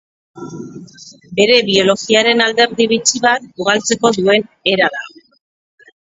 Bere biologiaren alderdi bitxi bat ugaltzeko duen era da.